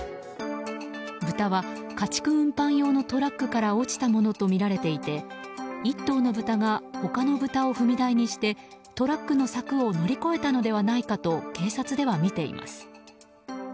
豚は家畜運搬用のトラックから落ちたものとみられていて１頭の豚が他の豚を踏み台にしてトラックの柵を乗り越えたのではないかと警察ではみています。